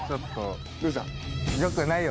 どうした？